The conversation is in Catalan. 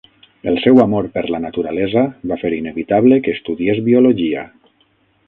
El seu amor per la naturalesa va fer inevitable que estudiés biologia